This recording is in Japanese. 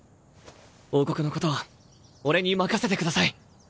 王国のことは俺に任せてください。